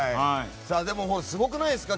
でも、すごくないですか？